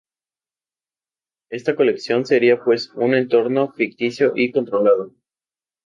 Esta colección sería pues un entorno ficticio y controlado.